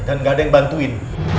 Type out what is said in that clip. dan gak ada yang bantuin